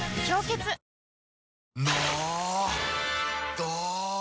ど！